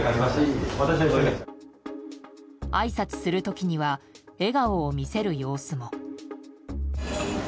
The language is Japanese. あいさつする時には笑顔を見せる様子も。